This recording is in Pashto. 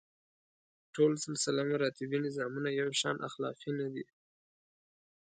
ټول سلسله مراتبي نظامونه یو شان اخلاقي نه دي.